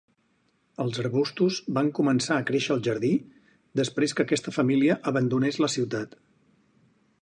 Els arbustos van començar a créixer al jardí després que aquesta família abandonés la ciutat.